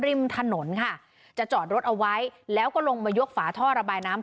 ริมถนนค่ะจะจอดรถเอาไว้แล้วก็ลงมายกฝาท่อระบายน้ำ